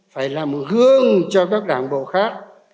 phải làm hướng cho các đảng bộ khác